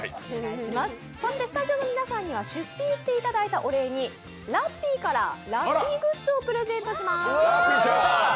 スタジオの皆さんには出品していただいたお礼に、ラッピーからラッピーグッズをプレゼントします。